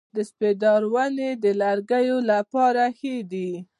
د سپیدار ونې د لرګیو لپاره ښې دي؟